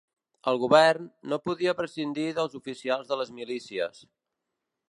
El Govern, no podia prescindir dels oficials de les milícies